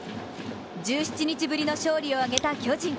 １７日ぶりの勝利を挙げた巨人。